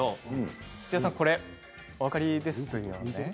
土屋さん、お分かりですよね。